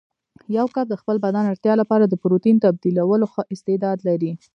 یو کب د خپل بدن اړتیا لپاره د پروتین تبدیلولو ښه استعداد لري.